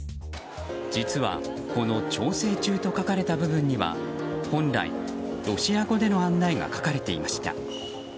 実はこの調整中と書かれた部分には本来、ロシア語での案内が書かれていました。